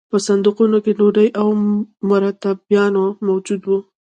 په صندوقونو کې ډوډۍ او مرتبانونه موجود وو